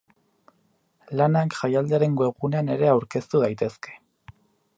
Lanak jaialdiaren webgunean ere aurkeztu daitezke.